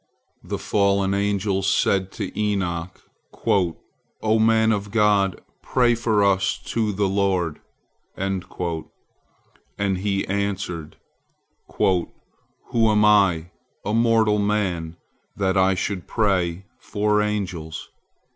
The fallen angels said to Enoch, "O man of God! Pray for us to the Lord," and he answered: "Who am I, a mortal man, that I should pray for angels?